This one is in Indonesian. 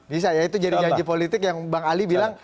bisa ya itu jadi nyaji politik yang bang ali bilang